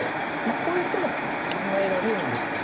こういう手も考えられるんですか。